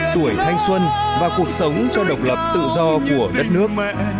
tuổi thanh xuân và cuộc sống cho độc lập tự do của đất nước